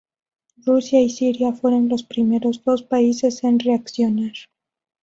Rusia y Siria fueron los primeros dos países en reaccionar.